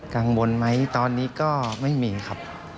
กังวลไหมตอนนี้ก็ไม่มีครับ